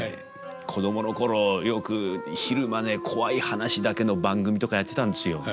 子供の頃よく昼間ねコワい話だけの番組とかやってたんですよ。